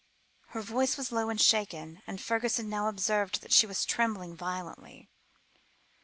Her voice was low and shaken, and Fergusson now observed that she was trembling violently.